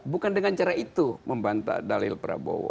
bukan dengan cara itu membantah dalil prabowo